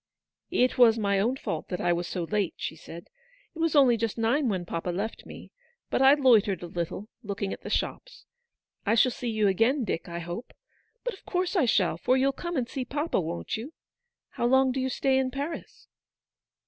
" It was my own fault that I was so late/' she said. " It was only just nine when papa left me ; but I loitered a little, looking at the shops. I shall see you again, Dick, I hope. But of course I shall, for you'll come and see papa, won't you ? How long do you stay in Paris